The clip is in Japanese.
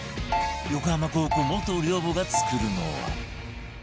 横浜高校元寮母が作るのは